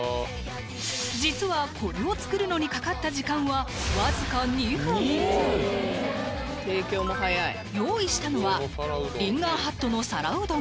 実はこれを作るのにかかった時間はわずか用意したのはリンガーハットの皿うどん